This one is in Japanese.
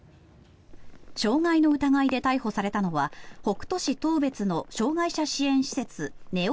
傷害の疑いで逮捕されたのは北斗市当別の障害者支援施設ねお・